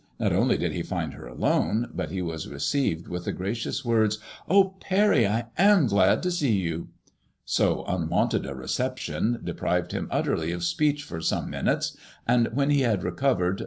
Not only did he find her alone, but he was received with the gracious words :*^ Oh, Parry, I am glad to see you/' So unwonted a reception de prived him utterly of speech for some minutes, and when he had recovered.